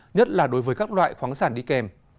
nhất là đối với các loại khoáng sản đi kèm